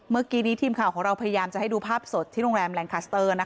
เมื่อกี้นี้ทีมข่าวของเราพยายามจะให้ดูภาพสดที่โรงแรมแรงคัสเตอร์